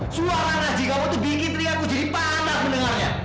suara ngaji kamu itu bikin teriakku jadi panas mendengarnya